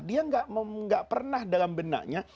dia nggak pernah dalam benaknya